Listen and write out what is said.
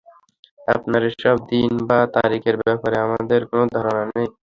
আপনার এসব দিন বা তারিখের ব্যাপারে আমাদের কোন ধারণা নেই!